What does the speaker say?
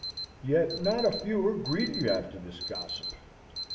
Yet not a few are greedy after this gossip.